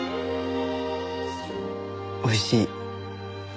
おいしい。